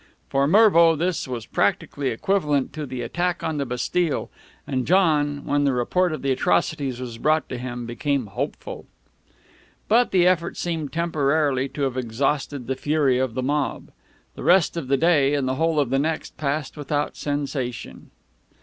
For Mervo this was practically equivalent to the attack on the Bastille, and John, when the report of the atrocities was brought to him, became hopeful. But the effort seemed temporarily to have exhausted the fury of the mob. The rest of that day and the whole of the next passed without sensation.